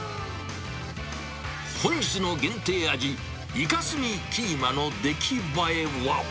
本日の限定味、イカスミキーマの出来栄えは。